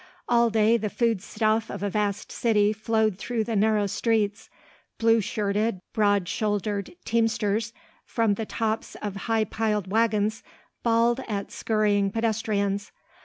All day the food stuff of a vast city flowed through the narrow streets. Blue shirted, broad shouldered teamsters from the tops of high piled wagons bawled at scurrying pedestrians.